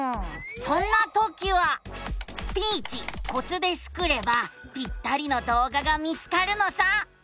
そんなときは「スピーチコツ」でスクればぴったりの動画が見つかるのさ。